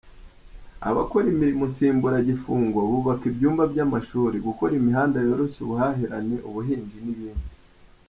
Abakora imirimo nsimburagifungo bubaka ibyumba by’amashuri, gukora imihanda yoroshya ubuhahirane, ubuhinzi n’ibindi.